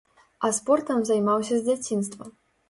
А спортам займаўся з дзяцінства.